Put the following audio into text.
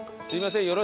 すみません